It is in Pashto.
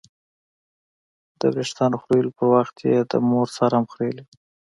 د ویښتانو خریلو په وخت یې د مور سر هم خرېیلی و.